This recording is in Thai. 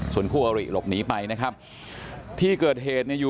ส่วนคู่อาวุธหลบหนีไปนะครับที่เกิดเหตุ